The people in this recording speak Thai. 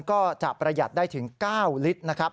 ก็จะประหยัดได้ถึง๙ลิตรนะครับ